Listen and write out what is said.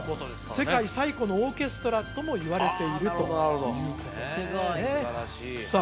世界最古のオーケストラともいわれているということですねさあ